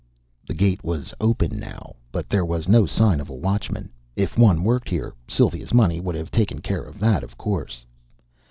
The gate was open now, but there was no sign of a watchman; if one worked here, Sylvia's money would have taken care of that, of course.